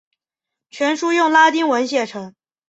全书用拉丁文写成。